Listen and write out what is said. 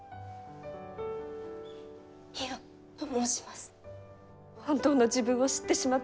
美代と申します。